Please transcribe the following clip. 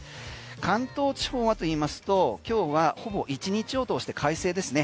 関東地方はといいますと今日はほぼ１日を通して快晴ですね。